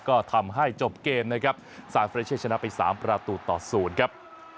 ก็ทำให้จบเกมนะครับซานเฟรเช่ชนะไป๓ประตูต่อ๐ครับ